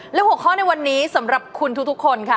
และ๖ข้อในวันนี้สำหรับคุณทุกคนค่ะ